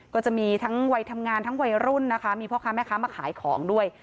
ก็จะมีทั้งวัยทำงานทั้งวัยรุ่นนะคะมีพ่อค้าแม่ค้ามาขายของด้วย